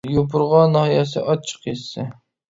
يوپۇرغا ناھىيەسى ئاچچىق يېزىسى